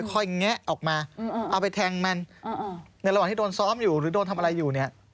แงะออกมาเอาไปแทงมันในระหว่างที่โดนซ้อมอยู่หรือโดนทำอะไรอยู่เนี่ย